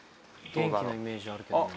元気なイメージあるけどな。